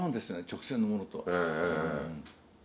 直線のものとは。